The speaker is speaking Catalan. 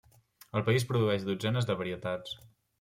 El país produeix dotzenes de varietats.